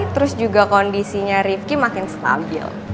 terus juga kondisinya rifki makin stabil